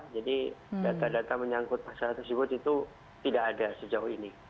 jadi data data menyangkut masalah tersebut itu tidak ada sejauh ini